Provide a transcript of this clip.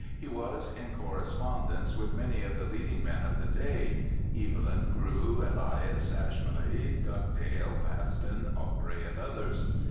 He was in correspondence with many of the leading men of the day — Evelyn, Grew, Ehas Ashmole, Dugdale, Paston, Aubrey, and others.